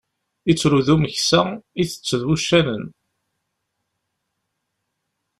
Ittru d umeksa, itett d wuccanen.